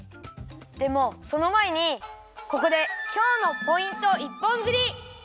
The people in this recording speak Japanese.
でもそのまえにここで今日のポイント一本釣り！